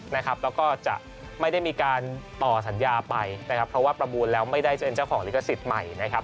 แล้วก็จะไม่ได้มีการต่อสัญญาไปเพราะว่าประมูลแล้วไม่ได้เจ้าเองเจ้าของลิขสิทธิ์ใหม่